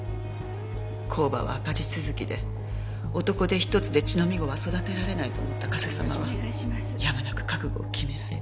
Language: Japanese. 工場は赤字続きで男手一つで乳飲み子は育てられないと思った加瀬様はやむなく覚悟を決められ。